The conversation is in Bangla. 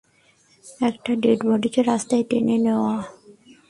একটা ডেডবডিকে রাস্তায় টেনে নেওয়া।